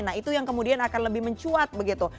nah itu yang kemudian akan lebih mencuat begitu